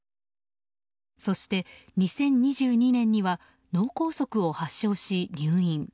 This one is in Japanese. そして２０２２年には脳梗塞を発症し入院。